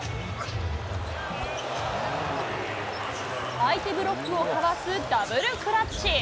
相手ブロックをかわすダブルクラッチ。